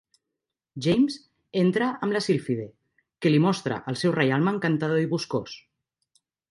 James entra amb la sílfide, que li mostra el seu reialme encantador i boscós.